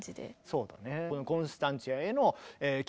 そうだね。